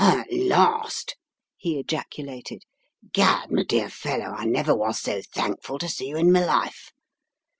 "At last!" he ejaculated. "Gad, my dear fellow, I never was so thankful to see you in my life!